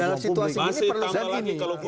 bagus masih tambah lagi kalau perlu